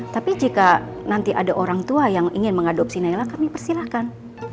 tapi jika nanti ada orang tua yang ingin mengadopsi naila kami persilahkan